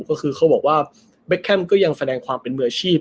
ก็คือเขาบอกว่าเบคแคมก็ยังแสดงความเป็นมืออาชีพ